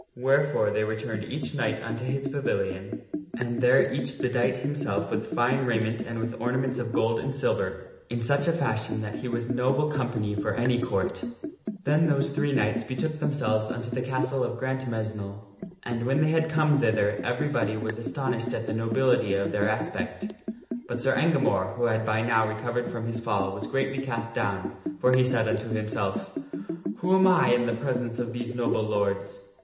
Wherefore m they returned each knight unto his pavilion, and there each bedight him self with fine raiment and with ornaments of gold and silver in such a 232 THE STORY OF SIR PELLIAS fashion that he was noble company for any Court Then those three knights betook themselves unto the castle of Grantmesnle, and when they had come thither everybody was astonished at the nobility of their aspect. But Sir Engamore, who had by now recovered from his fall, was greatly cast down, for he said unto himself, " Who am I in the presence of these noble lords?"